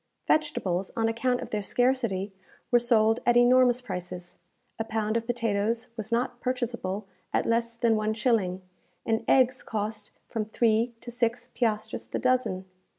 Vegetables, on account of their scarcity, were sold at enormous prices. A pound of potatoes was not purchaseable at less than one shilling, and eggs cost from three to six piastres the dozen.